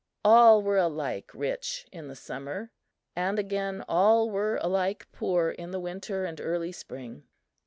All were alike rich in the summer, and, again, all were alike poor in the winter and early spring.